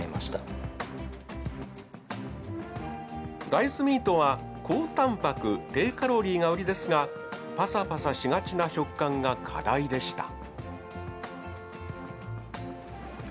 大豆ミートは高たんぱく低カロリーが売りですがパサパサしがちな食感が課題でした。